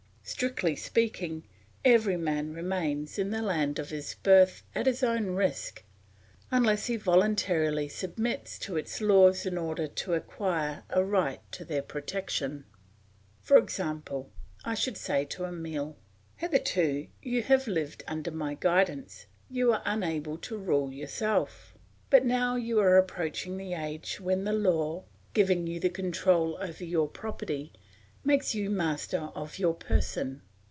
Strictly speaking, every man remains in the land of his birth at his own risk unless he voluntarily submits to its laws in order to acquire a right to their protection. For example, I should say to Emile, "Hitherto you have lived under my guidance, you were unable to rule yourself. But now you are approaching the age when the law, giving you the control over your property, makes you master of your person.